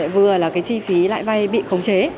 vừa là cái chi phí lãi vay bị khống chế